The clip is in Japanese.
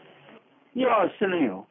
いや、してないよ。